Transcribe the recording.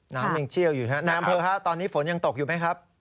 น้ำยังเชี่ยวอยู่ฮะนายอำเภอฮะตอนนี้ฝนยังตกอยู่ไหมครับ